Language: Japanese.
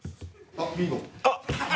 あっ！